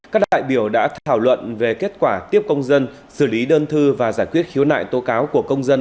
các đại biểu đã thảo luận về kết quả tiếp công dân xử lý đơn thư và giải quyết khiếu nại tố cáo của công dân